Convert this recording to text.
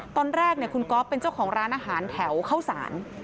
ตอนแรกคุณก๊อฟเป็นเจ้าของร้านอาหารแถวเข้าสาร